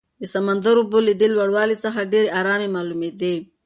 د سمندر اوبه له دې لوړوالي څخه ډېرې ارامې معلومېدې.